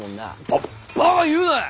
ババカ言うな！